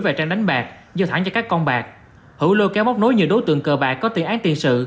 về trang đánh bạc giao thẳng cho các con bạc hữu lôi kéo móc nối nhiều đối tượng cờ bạc có tiền án tiền sự